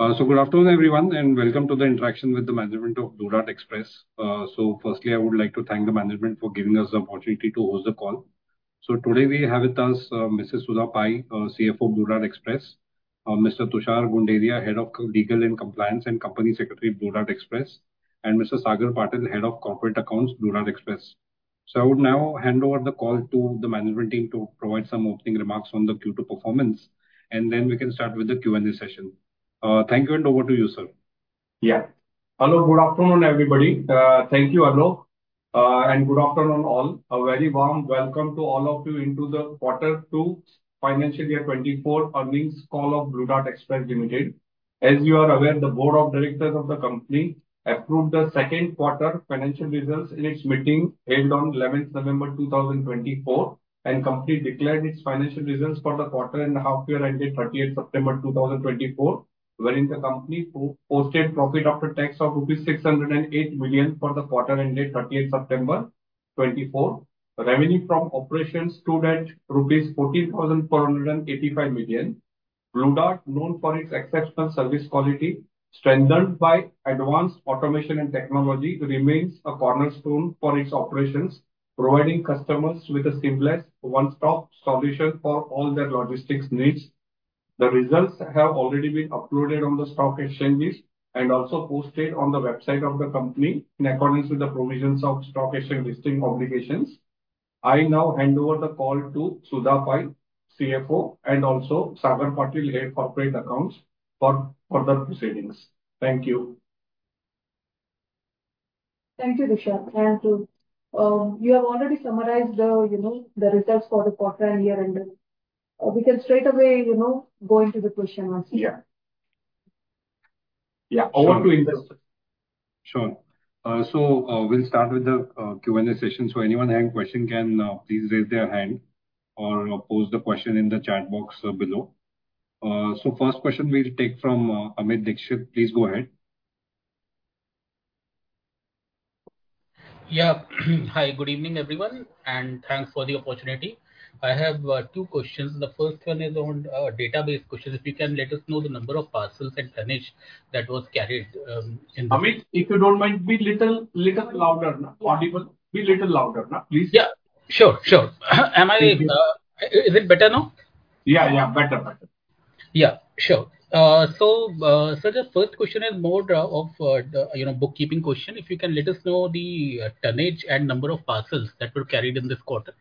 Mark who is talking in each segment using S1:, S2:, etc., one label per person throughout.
S1: Good afternoon, everyone, and welcome to the interaction with the management of Blue Dart Express. Firstly, I would like to thank the management for giving us the opportunity to host the call. Today we have with us Mrs. Sudha Pai, CFO, Blue Dart Express, Mr. Tushar Gunderia, Head of Legal and Compliance and Company Secretary, Blue Dart Express, and Mr. Sagar Patel, Head of Corporate Accounts, Blue Dart Express. I would now hand over the call to the management team to provide some opening remarks on the Q2 performance, and then we can start with the Q&A session. Thank you, and over to you, sir.
S2: Yeah, hello, good afternoon, everybody. Thank you, Alok, and good afternoon, all. A very warm welcome to all of you into the Q2 Financial Year 24 earnings call of Blue Dart Express Limited. As you are aware, the Board of Directors of the company approved the second quarter financial results in its meeting held on 11th November 2024, and the company declared its financial results for the quarter and half year ended 30 September 2024, wherein the company posted profit after tax of rupees 608 million for the quarter ended 30 September 2024. Revenue from operations stood at rupees 14,485 million. Blue Dart, known for its exceptional service quality, strengthened by advanced automation and technology, remains a cornerstone for its operations, providing customers with a seamless one-stop solution for all their logistics needs. The results have already been uploaded on the stock exchanges and also posted on the website of the company in accordance with the provisions of stock exchange listing obligations. I now hand over the call to Sudha Pai, CFO, and also Sagar Patel, Head of Corporate Accounts, for further proceedings. Thank you.
S3: Thank you, Tushar. And you have already summarized the results for the quarter and year end. We can straight away go into the question and answer.
S2: Yeah. Yeah, over to Alok.
S1: Sure, so we'll start with the Q&A session, so anyone who has a question can please raise their hand or post the question in the chat box below, so first question we'll take from Amit Dixit. Please go ahead.
S4: Yeah, hi, good evening, everyone, and thanks for the opportunity. I have two questions. The first one is on database questions. If you can let us know the number of parcels and tonnage that was carried in.
S2: Amit, if you don't mind, be a little louder. Be a little louder, please.
S4: Yeah, sure, sure. Is it better now?
S2: Yeah, yeah, better, better.
S4: Yeah, sure. So the first question is more of a bookkeeping question. If you can let us know the tonnage and number of parcels that were carried in this quarter.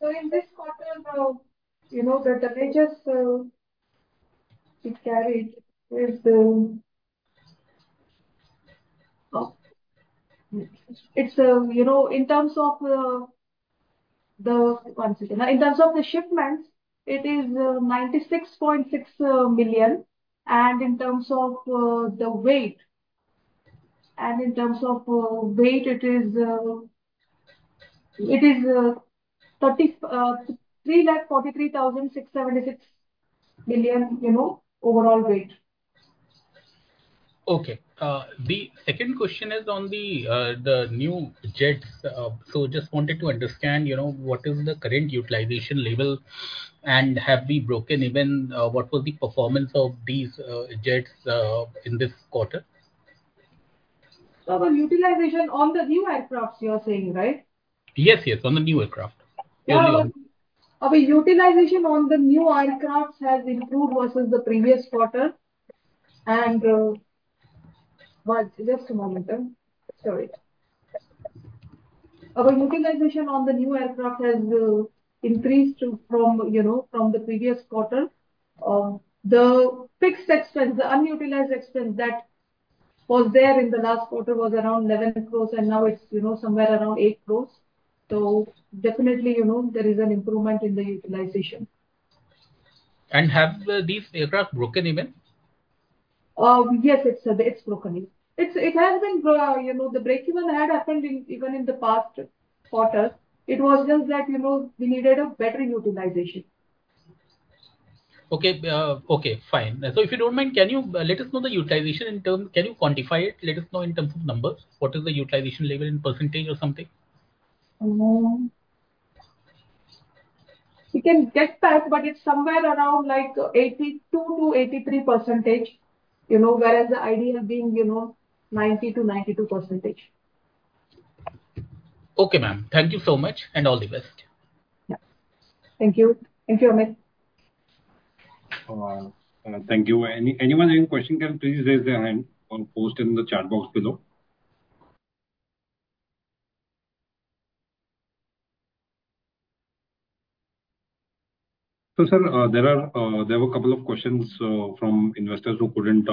S3: So in this quarter, the tonnage we carried is, in terms of the, once again, in terms of the shipments, it is 96.6 million. And in terms of the weight, it is 343,676 million overall weight.
S4: Okay. The second question is on the new jets, so just wanted to understand what is the current utilization level and have we broken even? What was the performance of these jets in this quarter?
S3: Of our utilization on the new aircraft, you're saying, right?
S4: Yes, yes, on the new aircraft.
S3: Our utilization on the new aircraft has improved versus the previous quarter. And just a moment. Sorry. Our utilization on the new aircraft has increased from the previous quarter. The fixed expense, the unutilized expense that was there in the last quarter was around 11 crores, and now it's somewhere around 8 crores. So definitely, there is an improvement in the utilization.
S4: Have these aircraft broken even?
S3: Yes, it's broken. It has been. The breakeven had happened even in the past quarter. It was just that we needed a better utilization.
S4: Okay, okay, fine, so if you don't mind, can you let us know the utilization in terms, can you quantify it? Let us know in terms of numbers. What is the utilization level in percentage or something?
S3: We can get that, but it's somewhere around like 82%-83%, whereas the ideal being 90%-92%.
S4: Okay, ma'am. Thank you so much, and all the best.
S3: Yeah. Thank you. Thank you, Amit.
S1: Thank you. Anyone have any question can please raise their hand or post in the chat box below. So sir, there were a couple of questions from investors who couldn't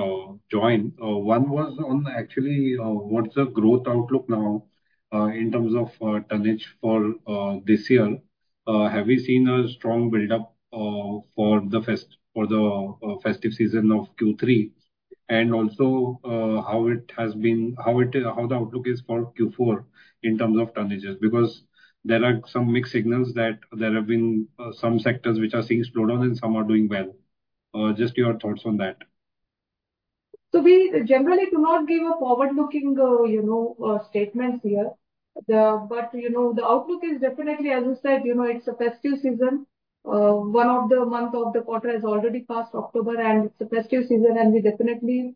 S1: join. One was on actually what's the growth outlook now in terms of tonnage for this year? Have we seen a strong buildup for the festive season of Q3? And also how it has been, how the outlook is for Q4 in terms of tonnages? Because there are some mixed signals that there have been some sectors which are seeing slowdown and some are doing well. Just your thoughts on that.
S3: We generally do not give a forward-looking statement here. The outlook is definitely, as you said, it's a festive season. One of the months of the quarter has already passed October, and it's a festive season, and we definitely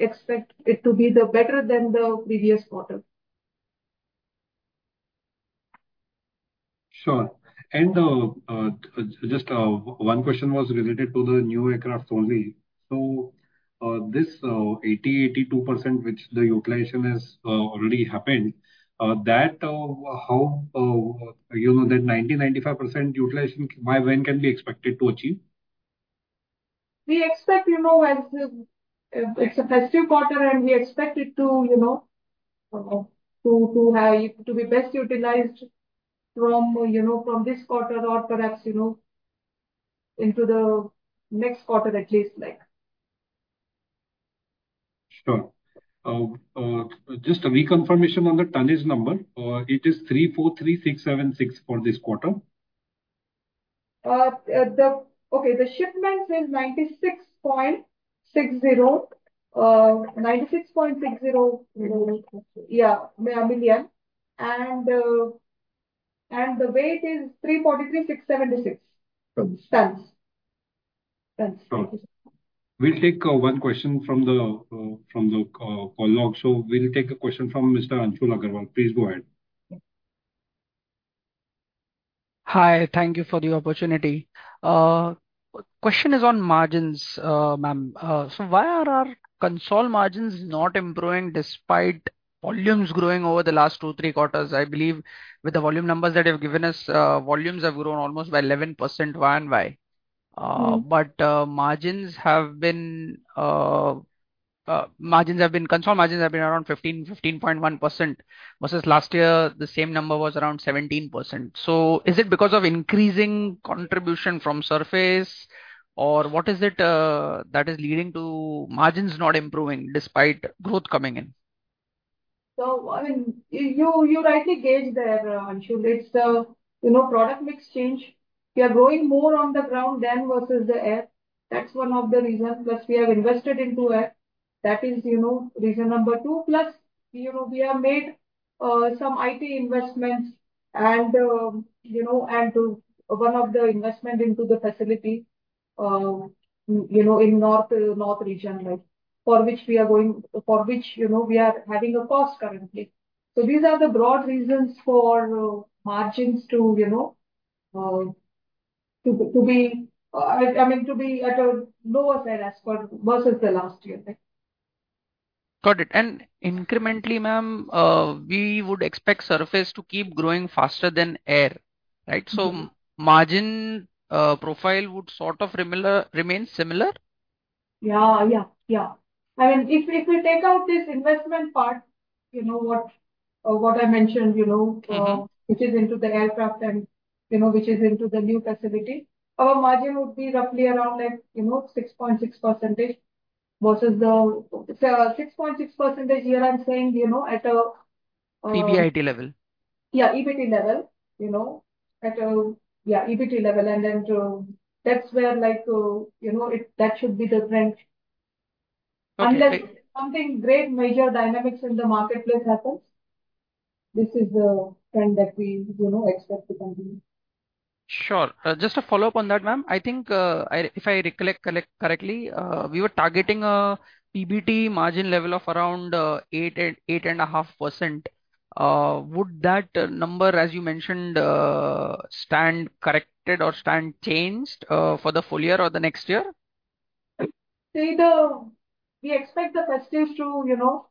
S3: expect it to be better than the previous quarter.
S1: Sure. And just one question was related to the new aircraft only. So this 80%-82% which the utilization has already happened, that how that 90%-95% utilization, when can we expect it to achieve?
S3: We expect it's a festive quarter, and we expect it to be best utilized from this quarter or perhaps into the next quarter at least.
S1: Sure. Just a reconfirmation on the tonnage number. It is 343,676 for this quarter.
S3: Okay, the shipments is 96.60. 96.60 million. Yeah, million. And the weight is 343,676 tons.
S1: We'll take one question from the call log, so we'll take a question from Mr. Anshul Agarwal. Please go ahead.
S5: Hi, thank you for the opportunity. Question is on margins, ma'am. So why are our console margins not improving despite volumes growing over the last two, three quarters? I believe with the volume numbers that you've given us, volumes have grown almost by 11%. Why and why? But console margins have been around 15, 15.1% versus last year, the same number was around 17%. So is it because of increasing contribution from surface, or what is it that is leading to margins not improving despite growth coming in?
S3: So, I mean, you rightly gauge there, Anshul. It's the product mix change. We are growing more on the ground than versus the air. That's one of the reasons. Plus, we have invested into air. That is reason number two. Plus, we have made some IT investments and one of the investments into the facility in north region, for which we are having a cost currently. So these are the broad reasons for margins to be—I mean, to be at a lower side as per versus the last year.
S5: Got it. And incrementally, ma'am, we would expect surface to keep growing faster than air, right? So margin profile would sort of remain similar?
S3: Yeah, yeah, yeah. I mean, if we take out this investment part, what I mentioned, which is into the aircraft and which is into the new facility, our margin would be roughly around 6.6% versus the 6.6% here I'm saying at a.
S5: EBIT level.
S3: Yeah, EBIT level. And then that's where that should be the trend. Unless something great, major dynamics in the marketplace happens, this is the trend that we expect to continue.
S5: Sure. Just a follow-up on that, ma'am. I think if I recollect correctly, we were targeting a PBT margin level of around 8.5%. Would that number, as you mentioned, stand corrected or stand changed for the full year or the next year?
S3: See, we expect the festive to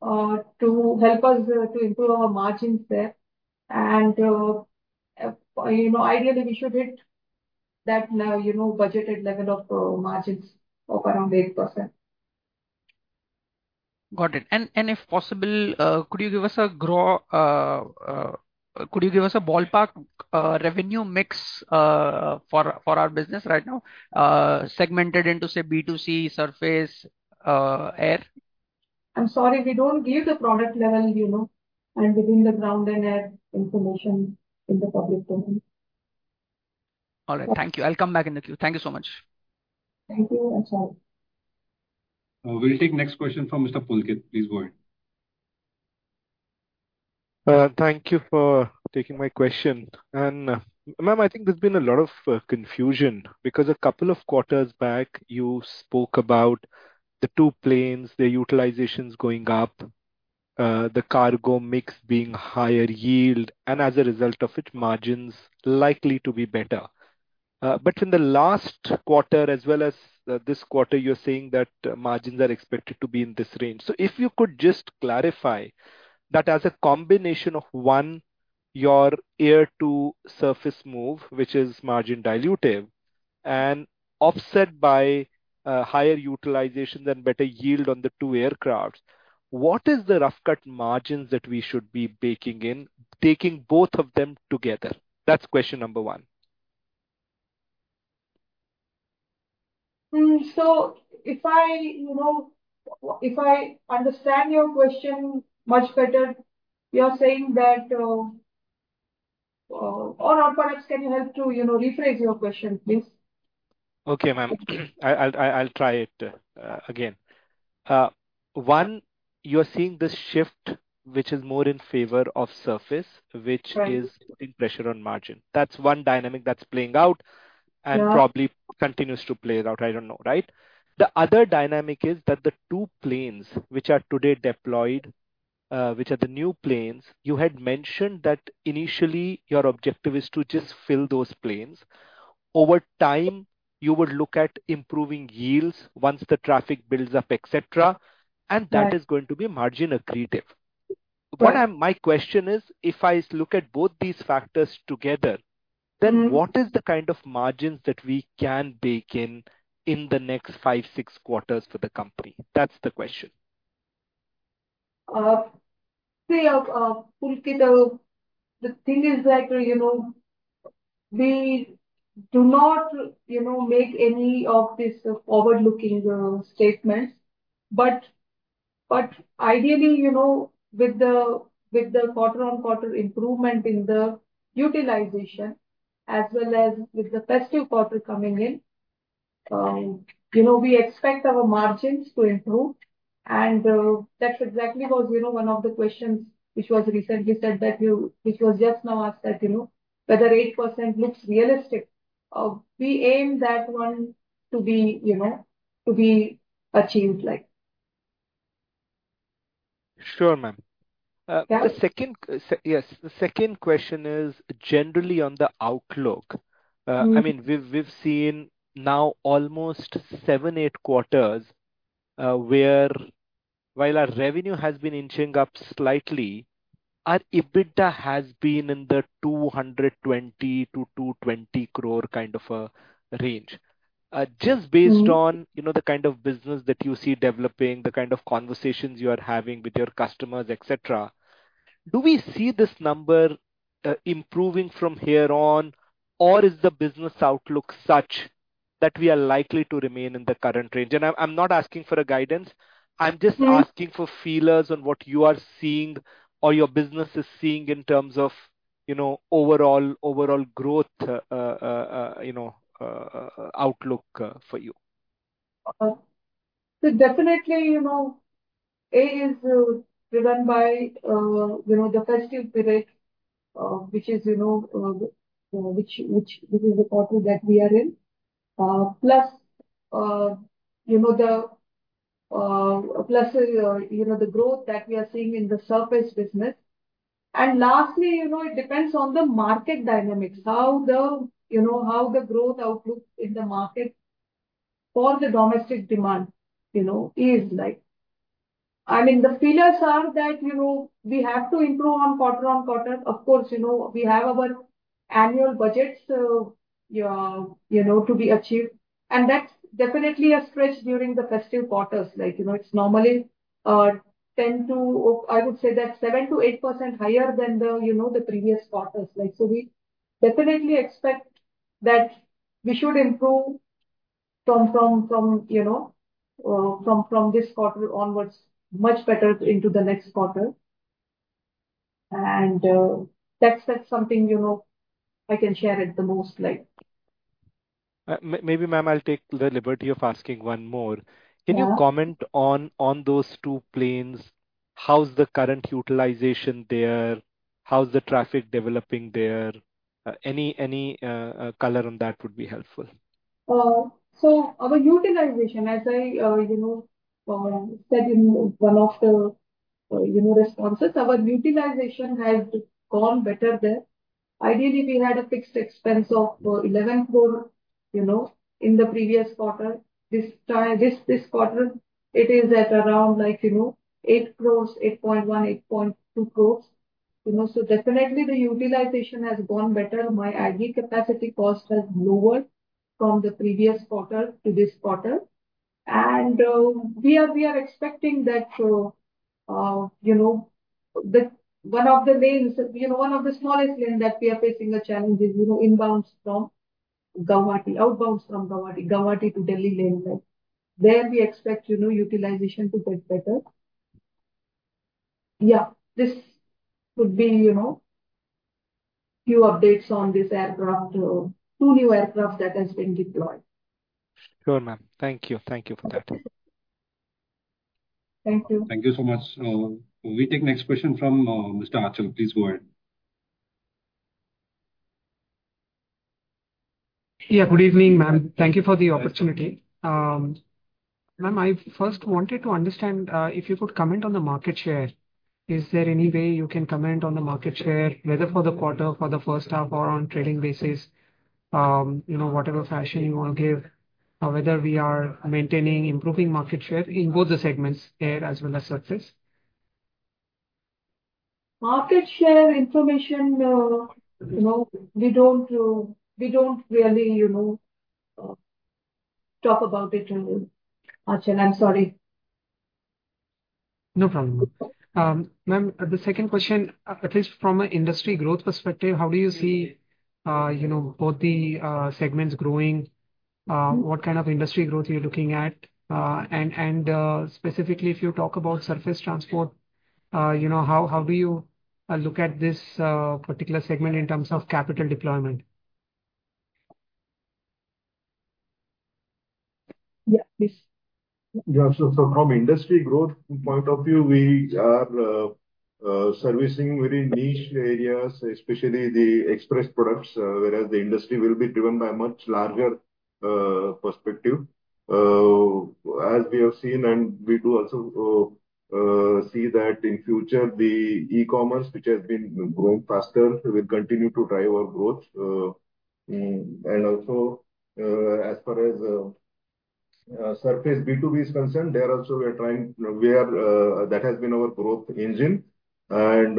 S3: help us to improve our margins there, and ideally, we should hit that budgeted level of margins of around 8%.
S5: Got it, and if possible, could you give us a ballpark revenue mix for our business right now, segmented into, say, B2C, surface, air?
S3: I'm sorry, we don't give the product level and within the ground and air information in the public domain.
S5: All right. Thank you. I'll come back in the queue. Thank you so much.
S3: Thank you, Anshul.
S1: We'll take next question from Mr. Pulkit. Please go ahead.
S6: Thank you for taking my question. And ma'am, I think there's been a lot of confusion because a couple of quarters back, you spoke about the two planes, the utilizations going up, the cargo mix being higher yield, and as a result of it, margins likely to be better. But in the last quarter, as well as this quarter, you're saying that margins are expected to be in this range. So if you could just clarify that as a combination of one, your air to surface move, which is margin dilutive, and offset by higher utilization and better yield on the two aircraft, what is the rough cut margins that we should be baking in, taking both of them together? That's question number one.
S3: If I understand your question much better, you're saying that, or perhaps can you help to rephrase your question, please?
S6: Okay, ma'am. I'll try it again. One, you're seeing this shift which is more in favor of surface, which is putting pressure on margin. That's one dynamic that's playing out and probably continues to play out. I don't know, right? The other dynamic is that the two planes which are today deployed, which are the new planes, you had mentioned that initially your objective is to just fill those planes. Over time, you would look at improving yields once the traffic builds up, etc. And that is going to be margin accretive. My question is, if I look at both these factors together, then what is the kind of margins that we can bake in in the next five, six quarters for the company? That's the question.
S3: See, Pulkit, the thing is we do not make any of these forward-looking statements. But ideally, with the quarter-on-quarter improvement in the utilization, as well as with the festive quarter coming in, we expect our margins to improve. And that's exactly what one of the questions which was just now asked that whether 8% looks realistic. We aim that one to be achieved.
S6: Sure, ma'am. Yes. The second question is generally on the outlook. I mean, we've seen now almost seven, eight quarters where while our revenue has been inching up slightly, our EBITDA has been in the 220 crore-220 crore kind of a range. Just based on the kind of business that you see developing, the kind of conversations you are having with your customers, etc., do we see this number improving from here on, or is the business outlook such that we are likely to remain in the current range? And I'm not asking for guidance. I'm just asking for feelers on what you are seeing or your business is seeing in terms of overall growth outlook for you.
S3: So definitely, A is driven by the festive period, which is, this is the quarter that we are in. Plus, the growth that we are seeing in the surface business. And lastly, it depends on the market dynamics, how the growth outlook in the market for the domestic demand is like. I mean, the feelers are that we have to improve on quarter on quarter. Of course, we have our annual budgets to be achieved. And that's definitely a stretch during the festive quarters. It's normally 10 to, I would say that 7%-8% higher than the previous quarters. So we definitely expect that we should improve from this quarter onwards much better into the next quarter. And that's something I can share at the most.
S6: Maybe, ma'am, I'll take the liberty of asking one more. Can you comment on those two planes? How's the current utilization there? How's the traffic developing there? Any color on that would be helpful.
S3: So our utilization, as I said in one of the responses, our utilization has gone better there. Ideally, we had a fixed expense of 11 crore in the previous quarter. This quarter, it is at around 8 crores, 8.1, 8.2 crores. So definitely, the utilization has gone better. My idle capacity cost has lowered from the previous quarter to this quarter. And we are expecting that one of the lanes, one of the smallest lanes that we are facing a challenge is inbounds from Guwahati, outbounds from Guwahati, Guwahati to Delhi lane. There we expect utilization to get better. Yeah, this would be a few updates on this aircraft, two new aircraft that have been deployed.
S6: Sure, ma'am. Thank you. Thank you for that.
S3: Thank you.
S1: Thank you so much. We take next question from Mr. Anshul. Please go ahead.
S5: Yeah, good evening, ma'am. Thank you for the opportunity. Ma'am, I first wanted to understand if you could comment on the market share. Is there any way you can comment on the market share, whether for the quarter, for the first half, or on trading basis, whatever fashion you want to give, whether we are maintaining, improving market share in both the segments, air as well as surface?
S3: Market share information, we don't really talk about it, Anshul. I'm sorry.
S5: No problem. Ma'am, the second question, at least from an industry growth perspective, how do you see both the segments growing? What kind of industry growth are you looking at? And specifically, if you talk about surface transport, how do you look at this particular segment in terms of capital deployment?
S7: Yeah, please.
S8: From industry growth point of view, we are servicing very niche areas, especially the express products, whereas the industry will be driven by a much larger perspective. As we have seen, and we do also see that in future, the e-commerce, which has been growing faster, will continue to drive our growth. And also, as far as surface B2B is concerned, there also, we are trying, that has been our growth engine. And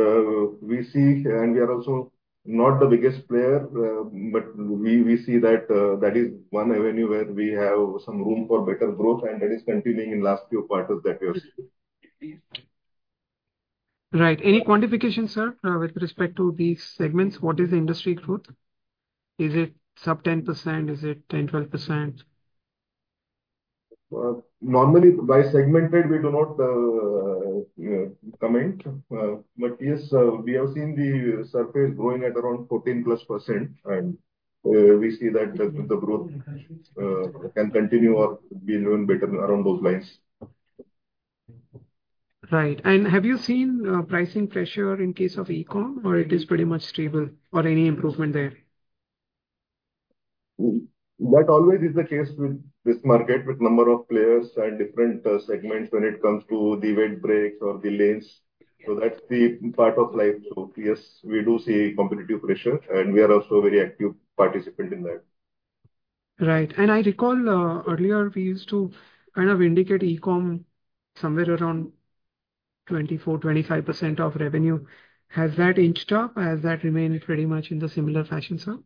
S8: we see, and we are also not the biggest player, but we see that that is one avenue where we have some room for better growth, and that is continuing in the last few quarters that we are seeing.
S5: Right. Any quantification, sir, with respect to these segments? What is the industry growth? Is it sub 10%? Is it 10-12%?
S8: Normally, by segment, we do not comment. But yes, we have seen the surface growing at around 14% plus, and we see that the growth can continue or be driven better around those lines.
S5: Right. Have you seen pricing pressure in case of e-com, or it is pretty much stable, or any improvement there?
S8: That always is the case with this market, with the number of players and different segments when it comes to the rate breaks or the lanes. So that's the part of life. So yes, we do see competitive pressure, and we are also a very active participant in that.
S5: Right. And I recall earlier, we used to kind of indicate e-com somewhere around 24%-25% of revenue. Has that inched up? Has that remained pretty much in the similar fashion, sir?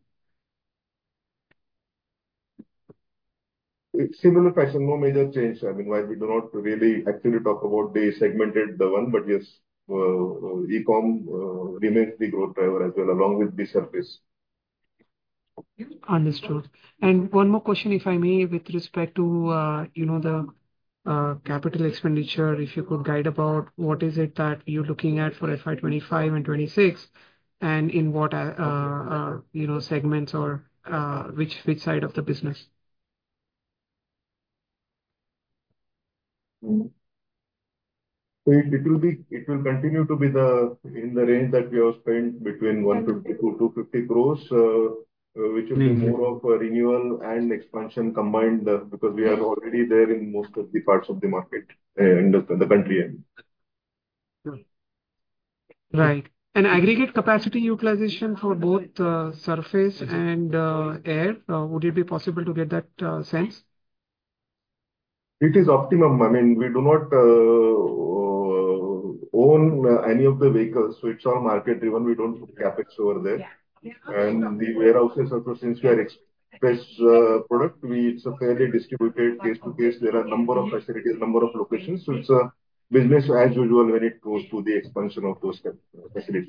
S8: Similar fashion, no major change. I mean, why we do not really actually talk about the segmented one, but yes, e-com remains the growth driver as well, along with the surface.
S5: Understood, and one more question, if I may, with respect to the capital expenditure, if you could guide about what is it that you're looking at for FY 25 and 26, and in what segments or which side of the business?
S8: It will continue to be in the range that we have spent between 150-250 crores, which will be more of renewal and expansion combined because we are already there in most of the parts of the market in the country.
S5: Right, and aggregate capacity utilization for both surface and air, would it be possible to get that sense?
S8: It is optimum. I mean, we do not own any of the vehicles. So it's all market-driven. We don't do CAPEX over there. And the warehouses, of course, since we are express product, it's a fairly distributed case to case. There are a number of facilities, a number of locations. So it's a business as usual when it goes to the expansion of those facilities.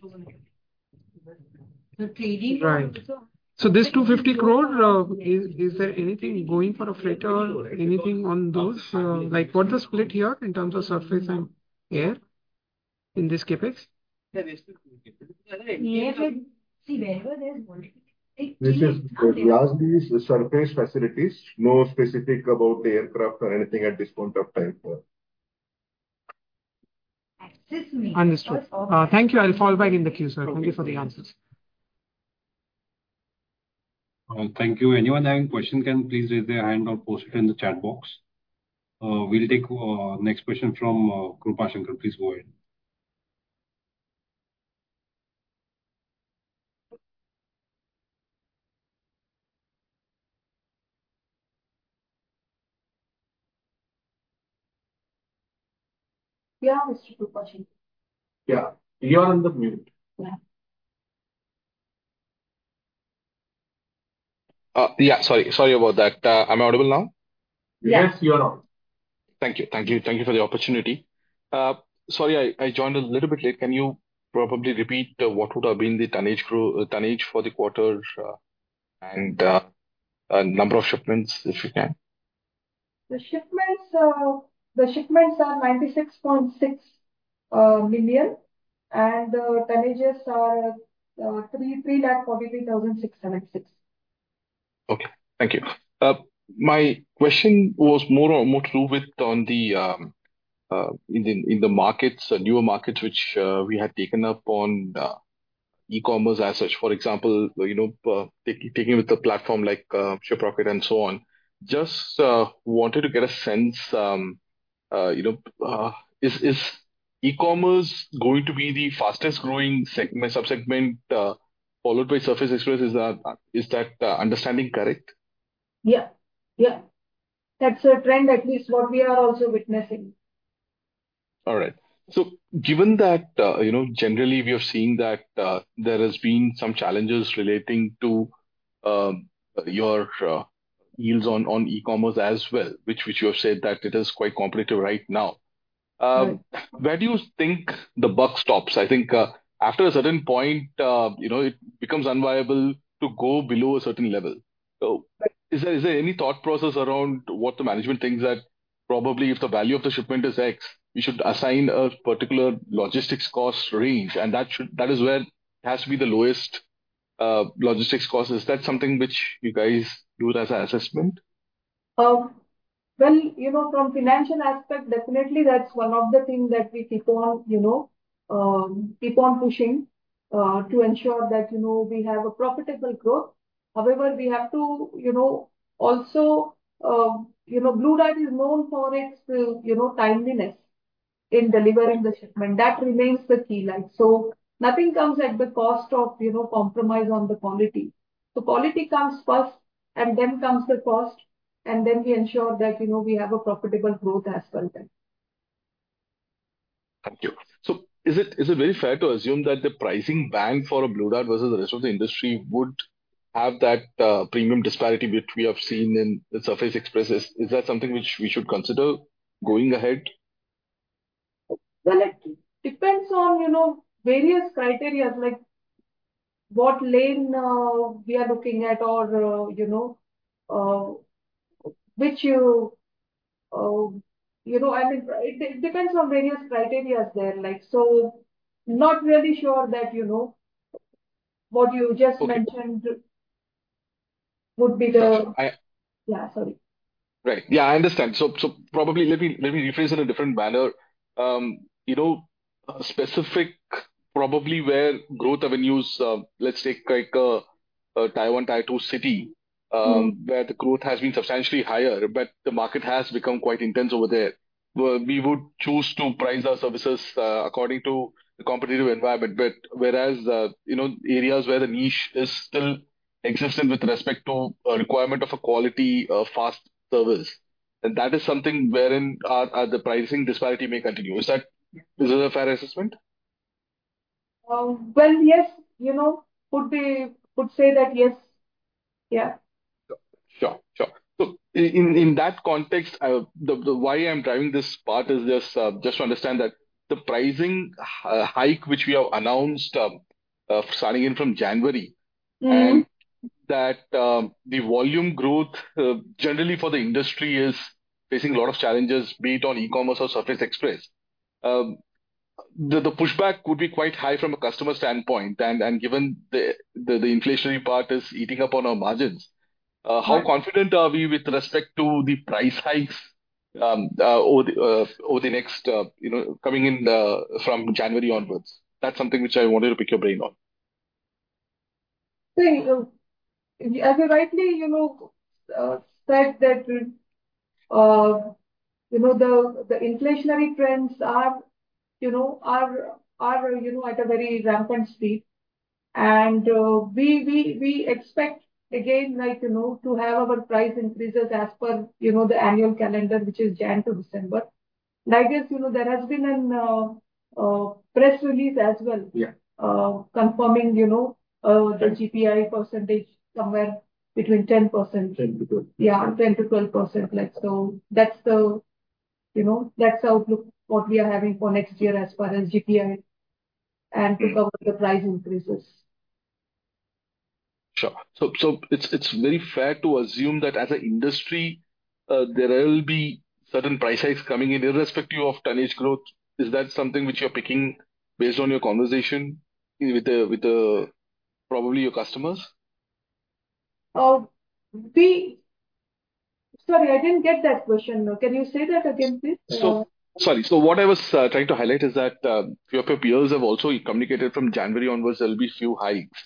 S3: So 3D.
S5: Right. So this 250 crore, is there anything going for the fleet? Anything on those? What's the split here in terms of surface and air in this CAPEX?
S3: See, whenever there's multiple.
S8: This is surface facilities. No specifics about the aircraft or anything at this point of time.
S5: Understood. Thank you. I'll fall back in the queue, sir. Thank you for the answers.
S1: Thank you. Anyone having questions, can please raise their hand or post it in the chat box. We'll take next question from Krupa Shankar. Please go ahead.
S9: Yeah, Mr. Krupa Shankar.
S1: Yeah. You are on mute.
S9: Yeah. Yeah. Sorry. Sorry about that. Am I audible now?
S1: Yes, you are audible.
S9: Thank you. Thank you. Thank you for the opportunity. Sorry, I joined a little bit late. Can you probably repeat what would have been the tonnage for the quarter and number of shipments, if you can?
S3: The shipments are 96.6 million, and the tonnages are 343,676.
S9: Okay. Thank you. My question was more or less to do with in the markets, newer markets, which we had taken up on e-commerce as such. For example, taking with the platform like Shiprocket and so on, just wanted to get a sense, is e-commerce going to be the fastest growing subsegment followed by surface express? Is that understanding correct?
S3: Yeah. Yeah. That's a trend, at least what we are also witnessing.
S9: All right. So given that, generally, we are seeing that there has been some challenges relating to your yields on e-commerce as well, which you have said that it is quite competitive right now. Where do you think the buck stops? I think after a certain point, it becomes unviable to go below a certain level. Is there any thought process around what the management thinks that probably if the value of the shipment is X, we should assign a particular logistics cost range, and that is where it has to be the lowest logistics cost? Is that something which you guys do as an assessment?
S3: From financial aspect, definitely, that's one of the things that we keep on pushing to ensure that we have a profitable growth. However, we have to. Also, Blue Dart is known for its timeliness in delivering the shipment. That remains the key. So nothing comes at the cost of compromise on the quality. So quality comes first, and then comes the cost, and then we ensure that we have a profitable growth as well.
S9: Thank you. So is it very fair to assume that the pricing bang for a Blue Dart versus the rest of the industry would have that premium disparity which we have seen in the surface express? Is that something which we should consider going ahead?
S3: It depends on various criteria, like what lane we are looking at, or which. I mean, it depends on various criteria there. So not really sure that what you just mentioned would be the yeah, sorry.
S9: Right. Yeah, I understand. So probably let me rephrase it in a different manner. Specifically, probably where growth avenues, let's take Taiwan, Taichung City, where the growth has been substantially higher, but the market has become quite intense over there. We would choose to price our services according to the competitive environment. But whereas areas where the niche is still existent with respect to requirement of a quality fast service, and that is something wherein the pricing disparity may continue. Is that a fair assessment?
S3: Yes. I would say that yes. Yeah.
S9: Sure. Sure. So in that context, the why I'm driving this part is just to understand that the pricing hike which we have announced starting in from January, and that the volume growth generally for the industry is facing a lot of challenges, be it on e-commerce or surface express. The pushback would be quite high from a customer standpoint, and given the inflationary part is eating up on our margins, how confident are we with respect to the price hikes over the next coming in from January onwards? That's something which I wanted to pick your brain on.
S3: As you rightly said, that the inflationary trends are at a very rampant speed. And we expect, again, to have our price increases as per the annual calendar, which is January to December. And I guess there has been a press release as well confirming the GPI percentage somewhere between 10%.
S9: 10 to 12.
S3: Yeah, 10%-12%. So that's how what we are having for next year as far as GPI and to cover the price increases.
S9: Sure. So it's very fair to assume that as an industry, there will be certain price hikes coming in irrespective of tonnage growth. Is that something which you're picking based on your conversation with probably your customers?
S3: Sorry, I didn't get that question. Can you say that again, please?
S9: So sorry. So what I was trying to highlight is that a few of your peers have also communicated from January onwards there will be few hikes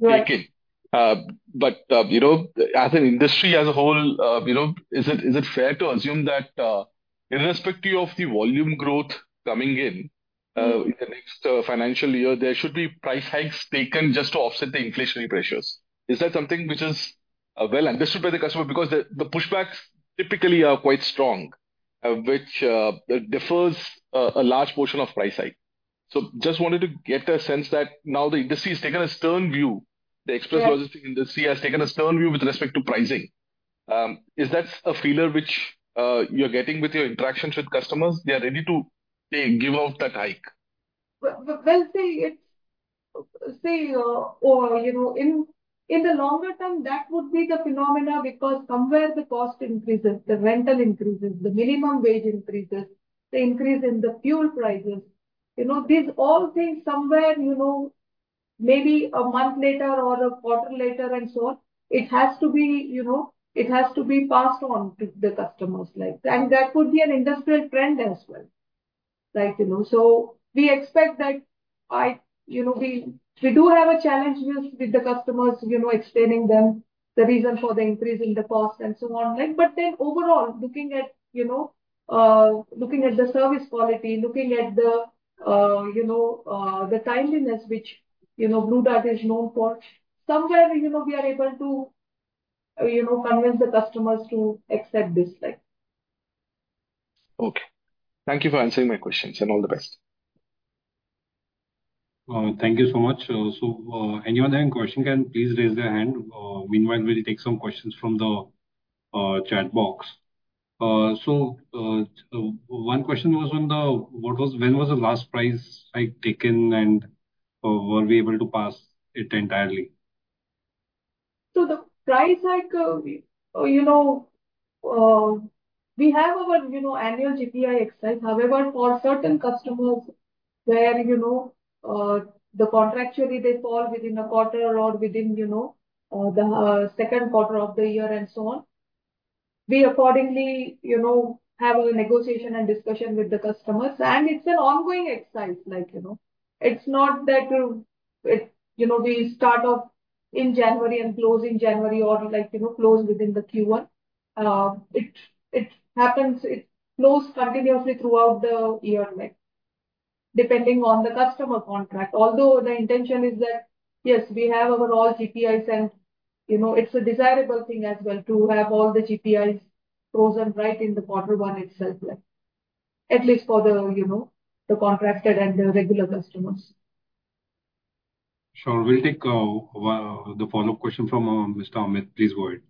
S9: taken. But as an industry as a whole, is it fair to assume that irrespective of the volume growth coming in in the next financial year, there should be price hikes taken just to offset the inflationary pressures? Is that something which is well understood by the customer? Because the pushbacks typically are quite strong, which defers a large portion of price hike. So just wanted to get a sense that now the industry has taken a stern view. The express logistics industry has taken a stern view with respect to pricing. Is that a feeler which you're getting with your interactions with customers? They are ready to give out that hike.
S3: See, in the longer term, that would be the phenomenon because somewhere the cost increases, the rental increases, the minimum wage increases, the increase in the fuel prices. These all things somewhere maybe a month later or a quarter later and so on. It has to be passed on to the customers. That would be an industrial trend as well. We expect that we do have a challenge with the customers explaining them the reason for the increase in the cost and so on. Then overall, looking at the service quality, looking at the timeliness, which Blue Dart is known for, somewhere we are able to convince the customers to accept this.
S9: Okay. Thank you for answering my questions and all the best.
S1: Thank you so much. So anyone having question can please raise their hand. Meanwhile, we'll take some questions from the chat box. So one question was on the when was the last price hike taken, and were we able to pass it entirely?
S3: The price hike, we have our annual GPI exercise. However, for certain customers where, contractually, they fall within a quarter or within the second quarter of the year and so on, we accordingly have a negotiation and discussion with the customers. It's an ongoing exercise. It's not that we start off in January and close in January or close within the Q1. It happens. It flows continuously throughout the year, depending on the customer contract. Although the intention is that, yes, we have overall GPIs, and it's a desirable thing as well to have all the GPIs frozen right in the quarter one itself, at least for the contracted and the regular customers.
S1: Sure. We'll take the follow-up question from Mr. Amit. Please go ahead.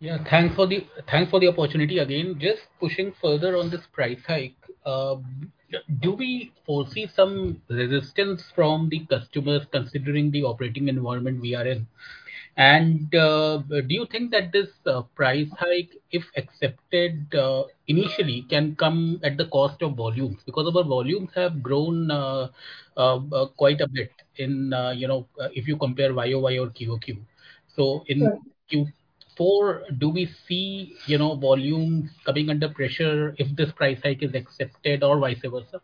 S4: Yeah. Thanks for the opportunity again. Just pushing further on this price hike, do we foresee some resistance from the customers considering the operating environment we are in? And do you think that this price hike, if accepted initially, can come at the cost of volumes? Because our volumes have grown quite a bit if you compare YOY or QOQ. So in Q4, do we see volumes coming under pressure if this price hike is accepted or vice versa?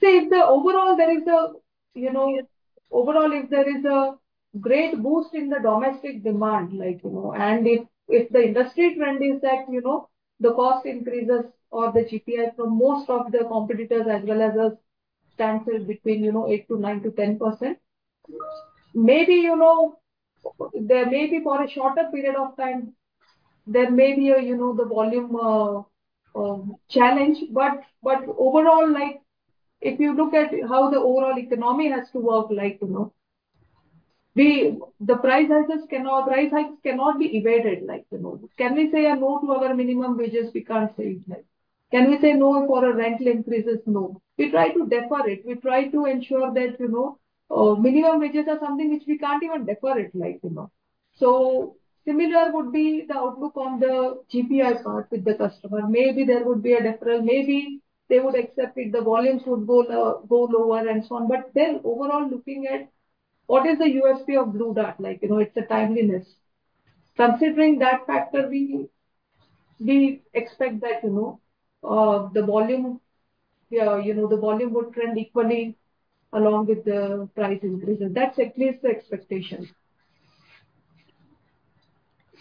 S3: See, if overall there is an overall, if there is a great boost in the domestic demand, and if the industry trend is that the cost increases or the GPI for most of the competitors as well as stands between 8%-10%, maybe there may be for a shorter period of time, there may be the volume challenge, but overall, if you look at how the overall economy has to work, the price hikes cannot be evaded. Can we say a no to our minimum wages? We can't say it. Can we say no for our rental increases? No. We try to defer it. We try to ensure that minimum wages are something which we can't even defer, so similar would be the outlook on the GPI part with the customer. Maybe there would be a deferral. Maybe they would accept it. The volumes would go lower and so on. But then overall, looking at what is the USP of Blue Dart? It's the timeliness. Considering that factor, we expect that the volume would trend equally along with the price increases. That's at least the expectation.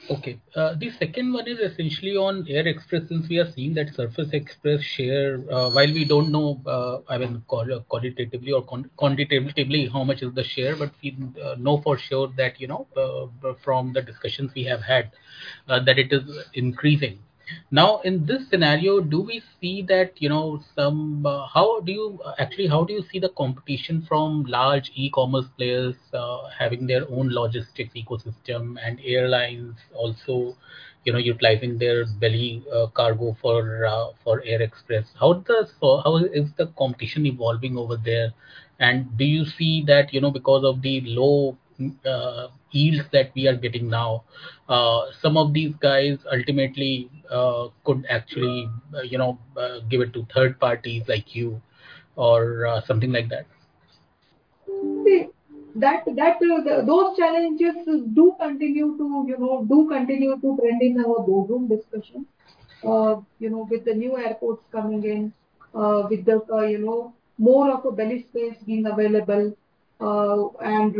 S4: Okay. The second one is essentially on air express. We are seeing that surface express share, while we don't know, I mean, qualitatively or quantitatively how much is the share, but we know for sure that from the discussions we have had, that it is increasing. Now, in this scenario, do we see that somehow, how do you actually see the competition from large e-commerce players having their own logistics ecosystem and airlines also utilizing their belly cargo for air express? How is the competition evolving over there? And do you see that because of the low yields that we are getting now, some of these guys ultimately could actually give it to third parties like you or something like that?
S3: See, those challenges do continue to trend in our boardroom discussion with the new airports coming in, with more of a belly space being available, and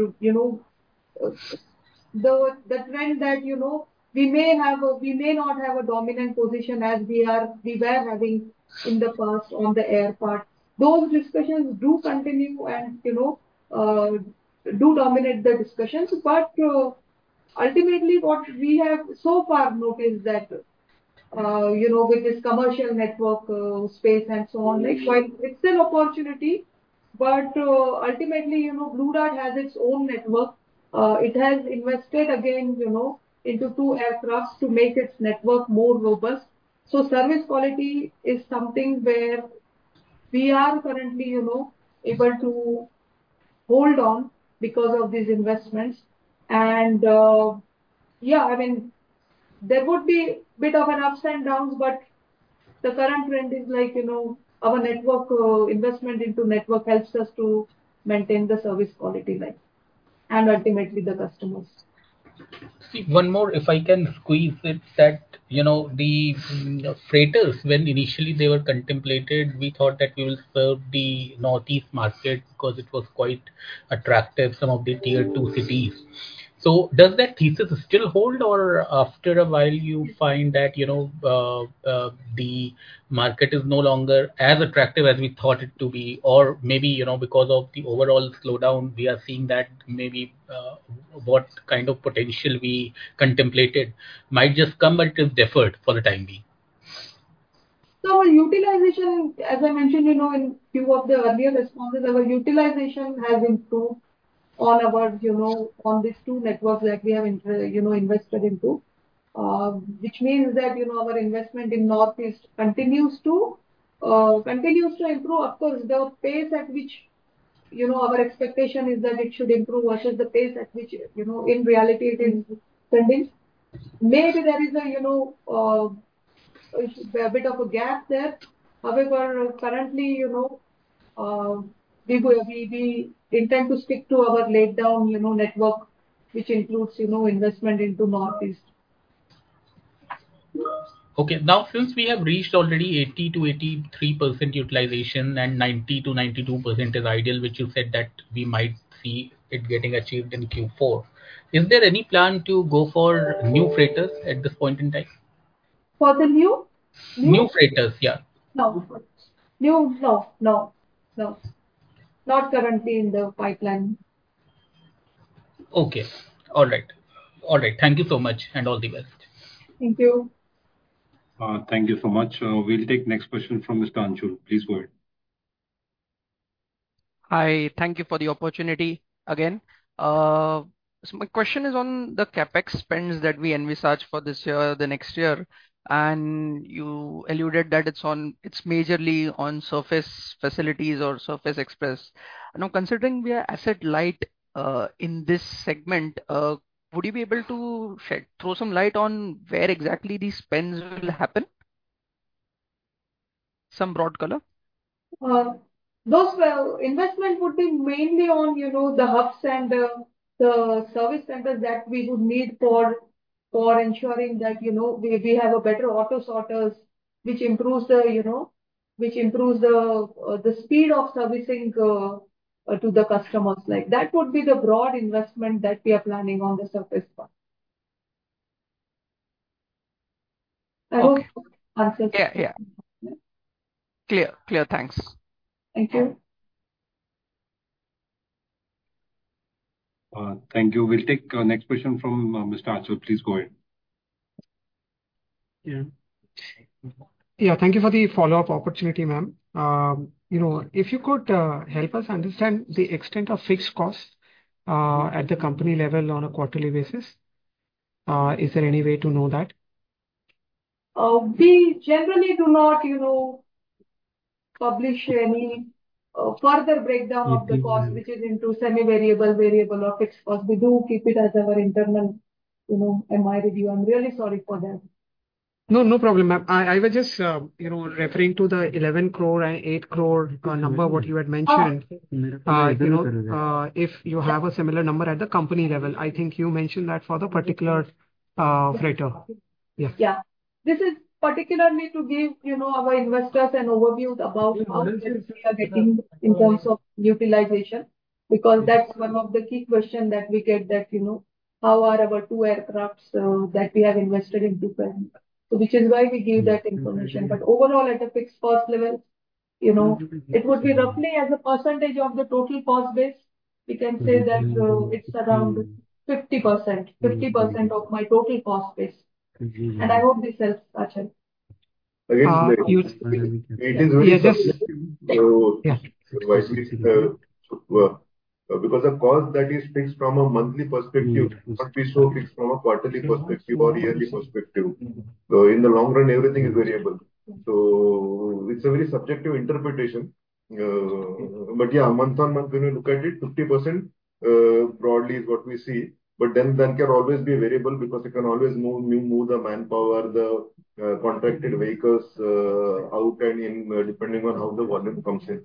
S3: the trend that we may have or we may not have a dominant position as we were having in the past on the air part, those discussions do continue and do dominate the discussions, but ultimately, what we have so far noticed that with this commercial network space and so on, it's still an opportunity, but ultimately, Blue Dart has its own network. It has invested again into two aircrafts to make its network more robust, so service quality is something where we are currently able to hold on because of these investments. Yeah, I mean, there would be a bit of an ups and downs, but the current trend is our network investment into network helps us to maintain the service quality and ultimately the customers.
S4: One more, if I can squeeze it, that the freighters, when initially they were contemplated, we thought that we will serve the Northeast market because it was quite attractive, some of the tier two cities. So does that thesis still hold, or after a while, you find that the market is no longer as attractive as we thought it to be? Or maybe because of the overall slowdown, we are seeing that maybe what kind of potential we contemplated might just come, but it is deferred for the time being?
S3: So our utilization, as I mentioned in a few of the earlier responses, our utilization has improved on these two networks that we have invested into, which means that our investment in Northeast continues to improve. Of course, the pace at which our expectation is that it should improve versus the pace at which in reality it is trending, maybe there is a bit of a gap there. However, currently, we intend to stick to our laid-down network, which includes investment into Northeast.
S4: Okay. Now, since we have reached already 80%-83% utilization and 90%-92% is ideal, which you said that we might see it getting achieved in Q4, is there any plan to go for new freighters at this point in time?
S3: For the new?
S4: New freighters, yeah.
S3: No. New? No. No. No. Not currently in the pipeline.
S4: Okay. All right. Thank you so much and all the best.
S3: Thank you.
S1: Thank you so much. We'll take next question from Mr. Anshul. Please go ahead.
S5: Hi. Thank you for the opportunity again. So my question is on the CAPEX spends that we envisage for this year, the next year. And you alluded that it's majorly on surface facilities or surface express. Now, considering we are asset light in this segment, would you be able to throw some light on where exactly these spends will happen? Some broad color?
S3: Those investments would be mainly on the hubs and the service centers that we would need for ensuring that we have better auto sorters, which improves the speed of servicing to the customers. That would be the broad investment that we are planning on the surface part. I hope the answer is clear.
S5: Yeah. Yeah. Clear. Clear. Thanks.
S3: Thank you.
S1: Thank you. We'll take next question from Mr. Anshul. Please go ahead.
S5: Thank you for the follow-up opportunity, ma'am. If you could help us understand the extent of fixed costs at the company level on a quarterly basis, is there any way to know that?
S3: We generally do not publish any further breakdown of the cost, which is into semi-variable, variable, or fixed cost. We do keep it as our internal MI review. I'm really sorry for that.
S5: No, no problem, ma'am. I was just referring to the 11 crore and 8 crore number, what you had mentioned. If you have a similar number at the company level, I think you mentioned that for the particular freighter. Yeah.
S3: Yeah. This is particularly to give our investors an overview about how we are getting in terms of utilization because that's one of the key questions that we get, that how are our two aircrafts that we have invested into, so which is why we give that information, but overall, at a fixed cost level, it would be roughly as a percentage of the total cost base. We can say that it's around 50%, 50% of my total cost base, and I hope this helps, Anshul.
S8: Again, it is very subjective. Because a cost that is fixed from a monthly perspective could be so fixed from a quarterly perspective or yearly perspective. In the long run, everything is variable. So it's a very subjective interpretation. But yeah, month on month, when we look at it, 50% broadly is what we see. But then that can always be variable because it can always move the manpower, the contracted vehicles out and in depending on how the volume comes in.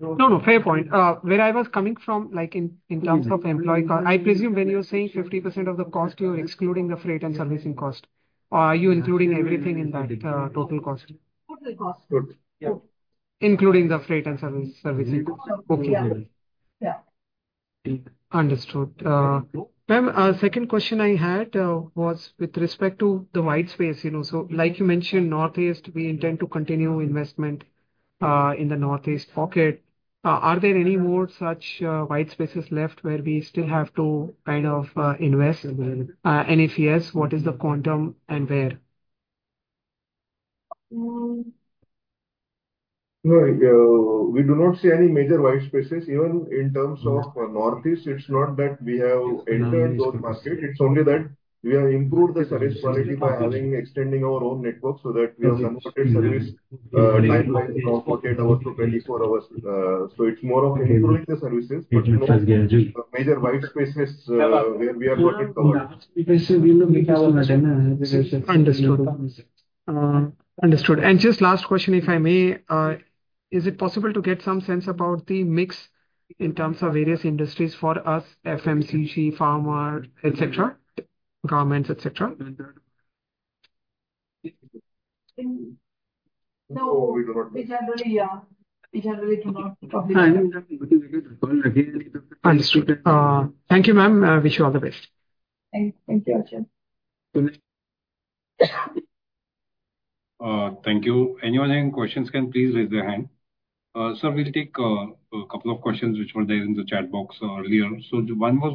S5: No, no. Fair point. Where I was coming from, in terms of employee cost, I presume when you're saying 50% of the cost, you're excluding the freight and servicing cost. Are you including everything in that total cost?
S3: Total cost.
S5: Including the freight and servicing cost. Okay. Understood. Ma'am, a second question I had was with respect to the white space, so like you mentioned, Northeast, we intend to continue investment in the Northeast pocket. Are there any more such white spaces left where we still have to kind of invest? And if yes, what is the quantum and where?
S8: We do not see any major white spaces. Even in terms of Northeast, it's not that we have entered those markets. It's only that we have improved the service quality by extending our own network so that we have committed service time-wise, committed our 24 hours. So it's more of improving the services, but no major white spaces where we have got it covered.
S5: Understood. Understood. And just last question, if I may, is it possible to get some sense about the mix in terms of various industries for us, FMCG, pharma, etc., governments, etc.?
S3: No. We generally do not publish.
S5: Understood. Thank you, ma'am. I wish you all the best.
S3: Thank you, Anjil.
S1: Thank you. Anyone having questions can please raise their hand. So we'll take a couple of questions which were there in the chat box earlier. So one was,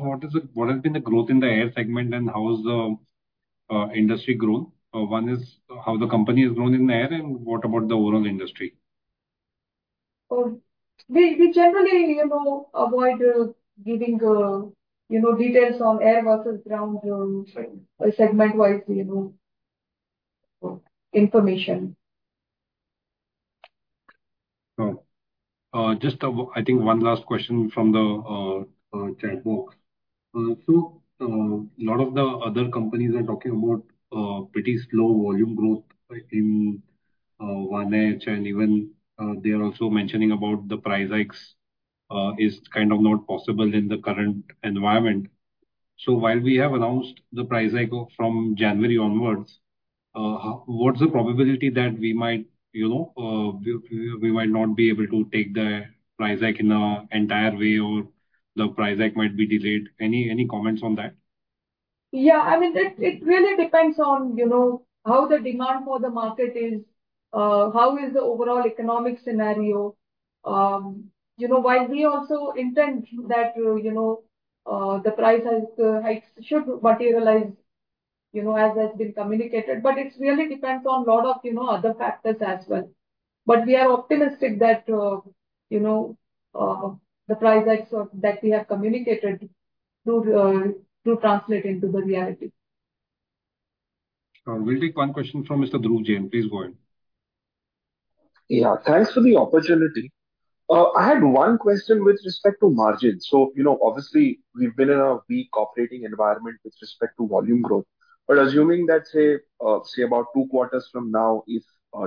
S1: what has been the growth in the air segment and how has the industry grown? One is how the company has grown in the air and what about the overall industry?
S3: We generally avoid giving details on air versus ground segment-wise information.
S1: Just, I think, one last question from the chat box. So a lot of the other companies are talking about pretty slow volume growth in OneEdge, and even they are also mentioning about the price hikes is kind of not possible in the current environment. So while we have announced the price hike from January onwards, what's the probability that we might not be able to take the price hike in the entire way or the price hike might be delayed? Any comments on that?
S3: Yeah. I mean, it really depends on how the demand for the market is, how is the overall economic scenario? While we also intend that the price hikes should materialize as has been communicated, but it really depends on a lot of other factors as well. But we are optimistic that the price hikes that we have communicated do translate into the reality.
S1: We'll take one question from Mr. Dhruv Jain. Please go ahead.
S10: Yeah. Thanks for the opportunity. I had one question with respect to margins. So obviously, we've been in a weak operating environment with respect to volume growth. But assuming that, say, about two quarters from now, if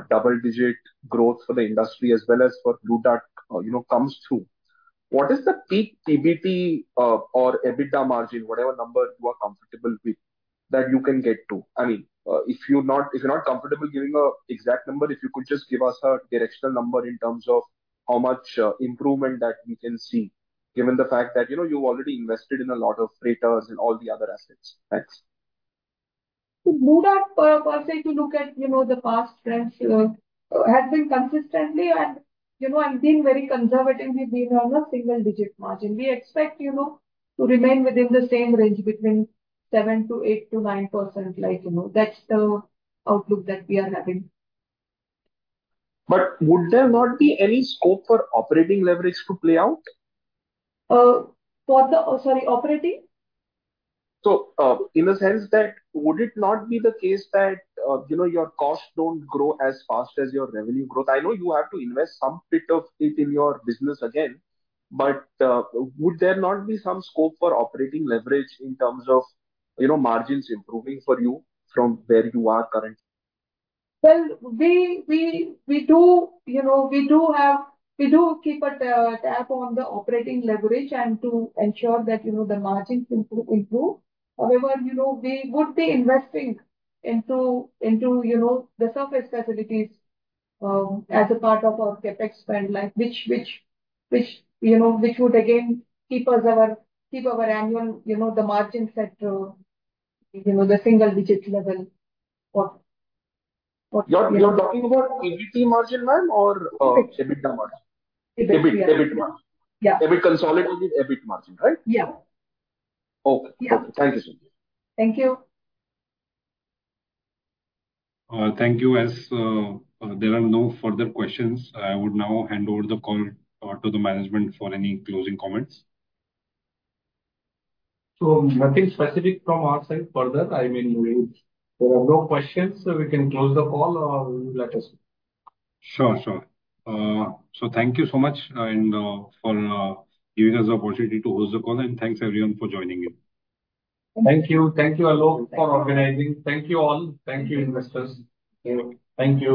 S10: double-digit growth for the industry as well as for Blue Dart comes through, what is the peak PBT or EBITDA margin, whatever number you are comfortable with, that you can get to? I mean, if you're not comfortable giving an exact number, if you could just give us a directional number in terms of how much improvement that we can see, given the fact that you've already invested in a lot of freighters and all the other assets. Thanks.
S3: Blue Dart, per se, if you look at the past trends, has been consistently and very conservatively on a single-digit margin. We expect to remain within the same range between 7% to 8% to 9%. That's the outlook that we are having.
S10: But would there not be any scope for operating leverage to play out?
S3: Sorry, operating?
S10: So in a sense that would it not be the case that your costs don't grow as fast as your revenue growth? I know you have to invest some bit of it in your business again, but would there not be some scope for operating leverage in terms of margins improving for you from where you are currently?
S3: We do keep a tab on the operating leverage and to ensure that the margins improve. However, we would be investing into the surface facilities as a part of our CAPEX spend, which would again keep our annual, the margin set to the single-digit level.
S10: You're talking about EBITDA margin, ma'am, or EBITDA margin?
S3: EBITDA.
S10: EBITDA margin. EBIT consolidated EBIT margin, right?
S3: Yeah.
S9: Okay. Thank you, Anshul.
S3: Thank you.
S1: Thank you. As there are no further questions, I would now hand over the call to the management for any closing comments.
S8: So nothing specific from our side further. I mean, if there are no questions, we can close the call or let us know.
S1: Sure. Sure. So thank you so much for giving us the opportunity to host the call, and thanks everyone for joining in.
S8: Thank you. Thank you a lot for organizing. Thank you all. Thank you, investors. Thank you.